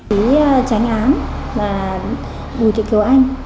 đồng chí tránh án là bùi thị kiều anh